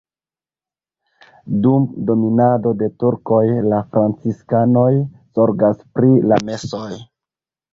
Dum dominado de turkoj la franciskanoj zorgas pri la mesoj.